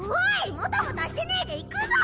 もたもたしてねぇで行くぞ。